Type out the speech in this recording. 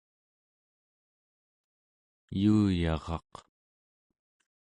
yuuyaraq